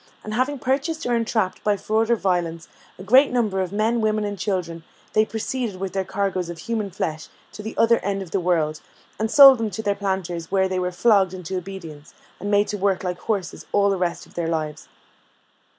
And having purchased, or entrapped by fraud or violence, a great number of men, women, and children, they proceeded with their cargoes of human flesh to the other end of the world, and sold them to their planters, where they were flogged into obedience, and made to work like horses all the rest of their lives.